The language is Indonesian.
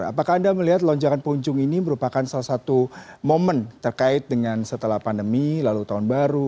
apakah anda melihat lonjakan pengunjung ini merupakan salah satu momen terkait dengan setelah pandemi lalu tahun baru